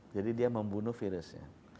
jadi dia membunuh virusnya